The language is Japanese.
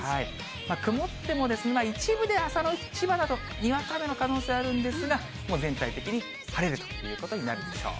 曇っても一部で千葉などにわか雨の可能性あるんですが、全体的に晴れるということになるでしょう。